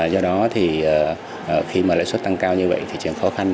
do đó thì khi mà lãi suất tăng cao như vậy thị trường khó khăn